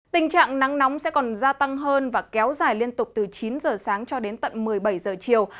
tình trạng nắng nóng sẽ còn gia tăng hơn và kéo dài liên tục từ chín giờ sáng cho đến tận một mươi bảy giờ chiều